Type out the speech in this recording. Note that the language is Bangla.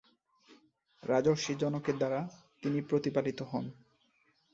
রাজর্ষি জনকের দ্বারা তিনি প্রতিপালিত হন।